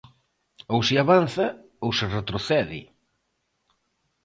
Ou se avanza ou se retrocede.